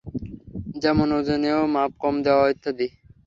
যেমনঃ ওজনে ও মাপে কম দেওয়া ইত্যাদি।